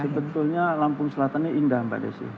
sebetulnya lampung selatan ini indah mbak desi